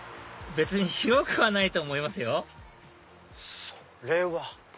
別に白くはないと思いますよそれは。